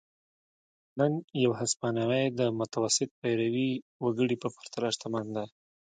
نن یو هسپانوی د متوسط پیرويي وګړي په پرتله شتمن دی.